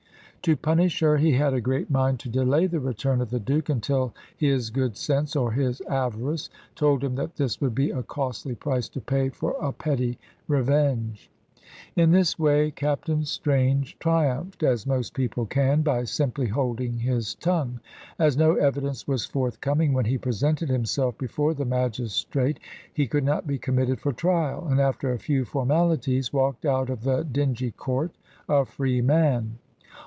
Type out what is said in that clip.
To punish her he had a great mind to delay the return of the Duke, until his good sense, or his avarice, told him that this would be a costly price to pay for a petty revenge. In this way Captain Strange triumphed, as most people can, by simply holding his tongue. As no evidence was forthcoming, when he presented himself before the magistrate, he could not be committed for trial, and after a few formalities walked out of the dingy court a free man.